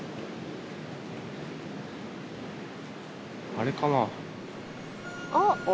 あれかな？